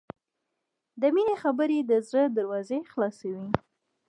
د مینې خبرې د زړه دروازې خلاصوي.